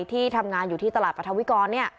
ที่ทำงานอยู่ที่ตลาดปรัฐวิกร